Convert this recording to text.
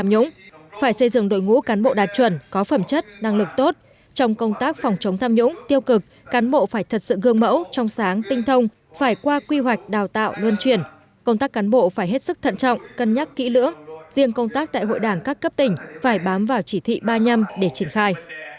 phải xây dựng đội ngũ cán bộ đạt chuẩn có phẩm chất năng lực tốt trong công tác phòng chống tham nhũng tiêu cực cán bộ phải thật sự gương mẫu trong sáng tinh thông phải qua quy hoạch đào tạo luân chuyển công tác cán bộ phải hết sức thận trọng cân nhắc kỹ lưỡng riêng công tác tại hội đảng các cấp tỉnh phải bám vào chỉ thị ba mươi năm để triển khai